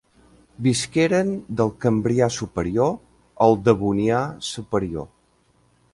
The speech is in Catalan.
Visqueren del Cambrià superior al Devonià superior.